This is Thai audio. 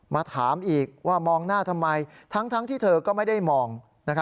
มาถามอีกว่ามองหน้าทำไมทั้งที่เธอก็ไม่ได้มอง